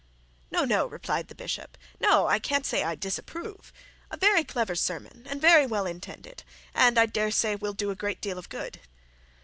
'No, no,' replied the bishop. 'No, I can't say I disapprove a very clever sermon and very well intended, and I dare say will do a great deal of good.'